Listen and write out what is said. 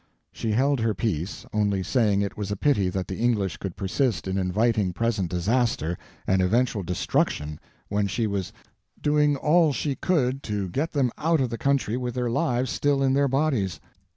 She held her peace, only saying it was a pity that the English would persist in inviting present disaster and eventual destruction when she was "doing all she could to get them out of the country with their lives still in their bodies."